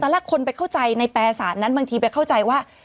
แรกคนไปเข้าใจในแปรสารนั้นบางทีไปเข้าใจว่า